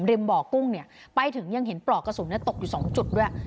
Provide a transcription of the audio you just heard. บ่อกุ้งเนี่ยไปถึงยังเห็นปลอกกระสุนตกอยู่๒จุดด้วย